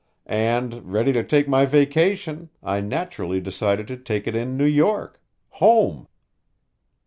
And, ready to take my vacation, I naturally decided to take it in New York home!"